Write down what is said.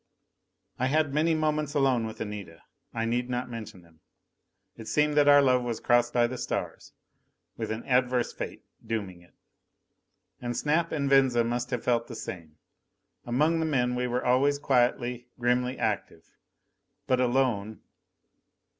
I had many moments alone with Anita. I need not mention them. It seemed that our love was crossed by the stars, with an adverse fate dooming it. And Snap and Venza must have felt the same. Among the men, we were always quietly, grimly active. But alone....